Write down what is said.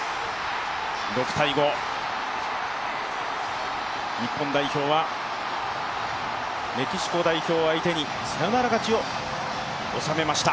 ６−５、日本代表はメキシコ代表相手にサヨナラ勝ちを収めました。